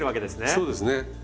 そうですね。